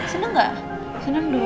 seneng gak seneng dong